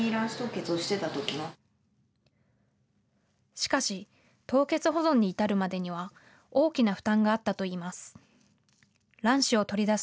しかし凍結保存に至るまでには大きな負担があったといいます。